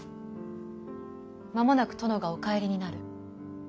間もなく殿がお帰りになる。